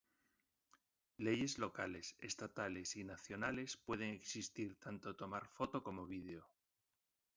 Leyes locales, estatales y nacionales pueden existir tanto tomar foto como video.